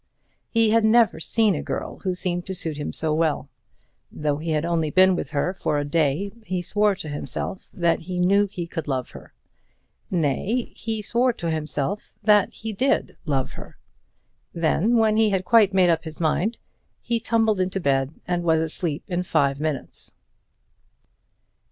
He had never seen a girl who seemed to suit him so well. Though he had only been with her for a day, he swore to himself that he knew he could love her. Nay; he swore to himself that he did love her. Then, when he had quite made up his mind, he tumbled into his bed and was asleep in five minutes.